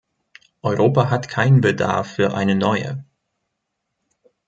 Europa hat keinen Bedarf für eine neue.